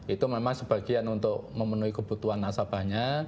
itu memang sebagian untuk memenuhi kebutuhan nasabahnya